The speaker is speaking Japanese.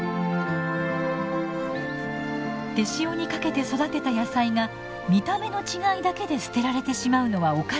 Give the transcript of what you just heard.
手塩にかけて育てた野菜が見た目の違いだけで捨てられてしまうのはおかしい。